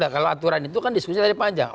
kalau aturan itu kan diskusi dari panjang